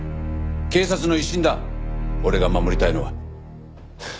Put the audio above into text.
警察の威信だ俺が守りたいのは。